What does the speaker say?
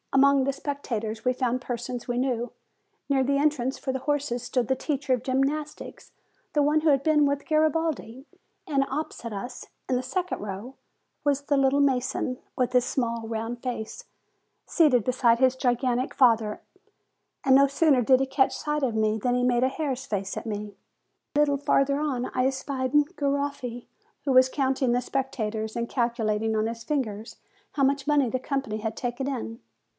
Among the spectators we found persons we knew. Near the entrance for 148 FEBRUARY the horses stood the teacher of gymnastics the one who has been with Garibaldi; and opposite us, in the second row, was the "little mason," with his small, round face, seated beside his gigantic father; and no sooner did he catch sight of me than he made a hare's face at me. A little farther on I espied Garoffi, who was counting the spectators, and calculating on his fingers how much money the company had taken in.